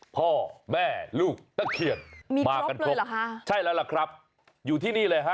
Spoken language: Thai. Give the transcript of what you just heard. พ่อแม่ลูกตะเคียนมากันครบใช่แล้วล่ะครับอยู่ที่นี่เลยฮะ